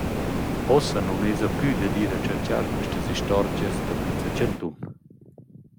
Uossa nun esa plü dad ir a tscherchar quistas istorgias da piz a chantun.